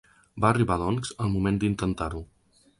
Va arribar, doncs, el moment d’intentar-ho.